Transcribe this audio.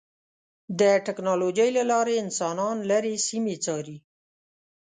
د ټکنالوجۍ له لارې انسانان لرې سیمې څاري.